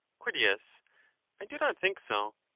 Crit. I do not think so.